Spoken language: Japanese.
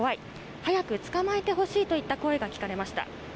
早く捕まえてほしいといった声が聞かれました。